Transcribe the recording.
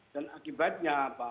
dan akibatnya apa